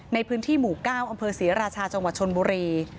ในพื้นที่หมู่๙อำเภอศรีราชาจังหวัดชนบุรี